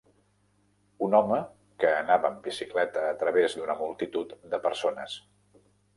Un home que anava amb bicicleta a través d'una multitud de persones.